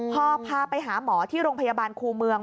พอพาไปหาหมอที่โรงพยาบาลครูเมือง